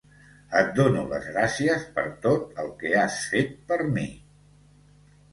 Et dono les gràcies per tot el que has fet per mi.